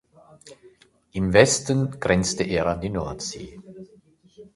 Im Westen grenzte er an die Nordsee.